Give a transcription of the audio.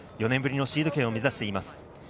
４年ぶりのシード権を目指しています。